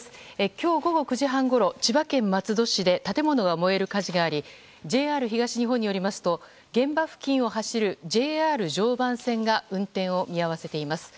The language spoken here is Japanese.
今日午後９時半ごろ千葉県松戸市で建物が燃える火事がありＪＲ東日本によりますと現場付近を走るＪＲ常磐線が運転を見合わせています。